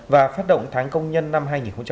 và phát động tháng công nhân năm hai nghìn một mươi sáu